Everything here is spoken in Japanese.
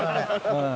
うん。